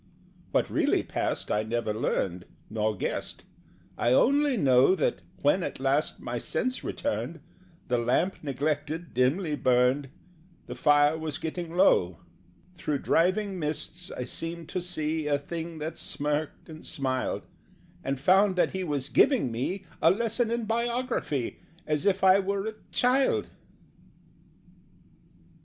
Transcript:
What really passed I never learned, Nor guessed: I only know That, when at last my sense returned, The lamp, neglected, dimly burned The fire was getting low Through driving mists I seemed to see A Thing that smirked and smiled: And found that he was giving me A lesson in Biography, As if I were a child.